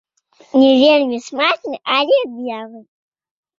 Не вельмі смачны, але белы.